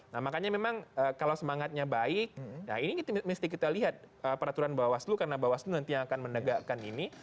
nah makanya memang kalau semangatnya baik nah ini mesti kita lihat peraturan bawaslu karena bawaslu nanti yang akan menegakkan ini